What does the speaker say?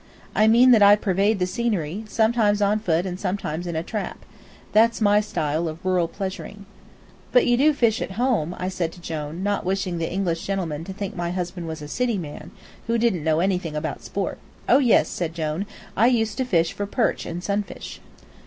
"I mean that I pervade the scenery, sometimes on foot and sometimes in a trap. That's my style of rural pleasuring." "But you do fish at home," I said to Jone, not wishing the English gentleman to think my husband was a city man, who didn't know anything about sport. "Oh, yes," said Jone, "I used to fish for perch and sunfish."